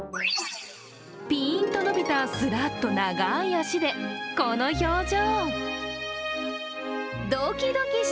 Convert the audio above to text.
ピーンと伸びたすらっと長い脚で、この表情。